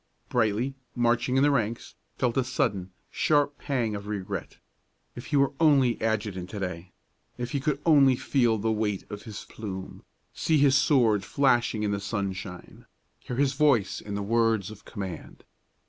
Brightly, marching in the ranks, felt a sudden, sharp pang of regret. If he were only adjutant to day! if he could only feel the weight of his plume, see his sword flashing in the sunshine, hear his voice in words of command!